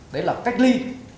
đấy là cách ly